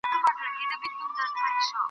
د زریانو بسته یې ځای پر ځای خیرات کړه